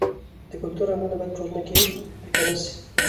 د کلتور رنګونه باید په ټولنه کې پیکه نه سي.